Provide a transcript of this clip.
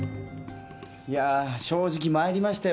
いやぁ正直参りましたよ